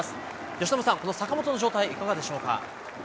由伸さん、坂本の状態はいかがでしょうか？